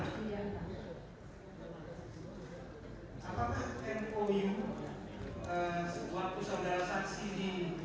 kemudian dalam mou tempatan saudara saksi tahu